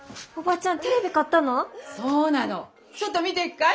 ちょっと見ていくかい？